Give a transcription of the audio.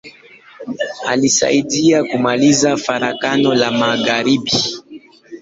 Alisaidia kumaliza Farakano la magharibi.